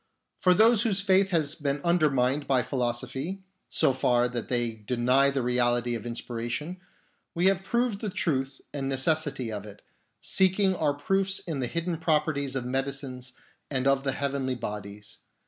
For those whose faith has been undermined by philosophy, so far that they deny the reality of in spiration, we have proved the truth and necessity of it, seeking our proofs in the hidden properties of medicines and of the heavenly bodies.